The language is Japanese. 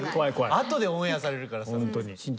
後でオンエアされるからさ。